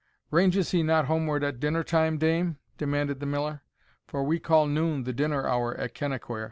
"Ranges he not homeward at dinner time, dame," demanded the Miller; "for we call noon the dinner hour at Kennaquhair?"